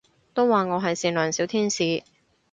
都話我係善良小天使